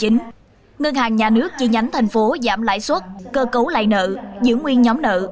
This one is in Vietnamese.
ngân hàng nhà nước chi nhánh thành phố giảm lãi suất cơ cấu lại nợ giữ nguyên nhóm nợ